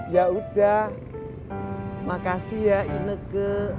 ya udah makasih ya ineke